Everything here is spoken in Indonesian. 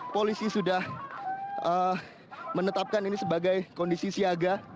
polisi sudah menetapkan ini sebagai kondisi siaga